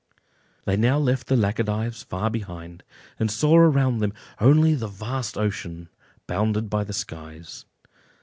They now left the Laccadives far behind, and saw around them only the vast ocean, bounded by the skies.